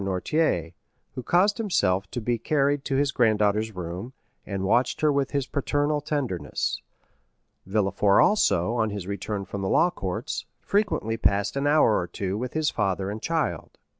Noirtier, who caused himself to be carried to his granddaughter's room, and watched her with his paternal tenderness; Villefort also, on his return from the law courts, frequently passed an hour or two with his father and child.